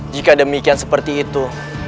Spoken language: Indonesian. jika demikian seperti itu